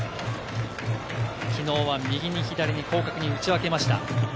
昨日は右に左に広角に打ち分けました。